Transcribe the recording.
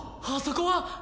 あそこは！